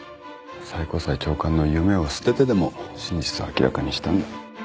最高裁長官の夢を捨ててでも真実を明らかにしたんだ。